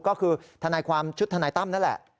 ก็คือทนายความชุดทนายตั้มนั่นแหละ